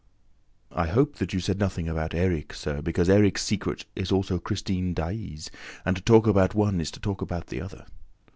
"I hope that you said nothing about Erik, sir, because Erik's secret is also Christine Daae's and to talk about one is to talk about the other!"